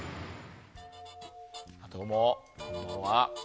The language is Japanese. どうも、こんばんは。